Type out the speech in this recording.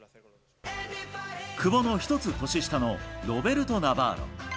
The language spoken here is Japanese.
久保の１つ年下のロベルト・ナバーロ。